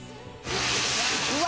うわ！